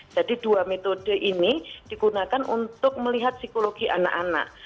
jadi dua metode ini digunakan untuk melihat psikologi anak anak